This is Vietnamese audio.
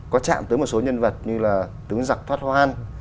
có chạm tới một số nhân vật như là tướng giặc thoát hoan